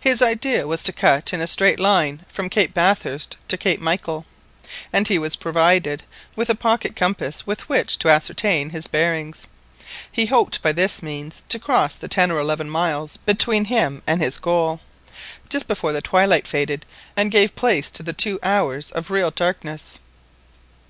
His idea was to cut across in a straight line from Cape Bathurst to Cape Michael, and he was provided with a pocket compass with which to ascertain his bearings. He hoped by this means to cross the ten or eleven miles between him and his goal, just before the twilight faded and gave place to the two hours of real darkness.